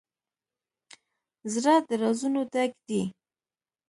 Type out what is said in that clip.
زړه د رازونو ډک دی.